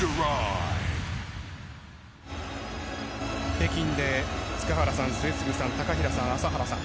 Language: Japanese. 北京で塚原さん、末續さん高平さん、朝原さん